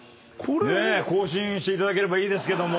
更新していただければいいですけども。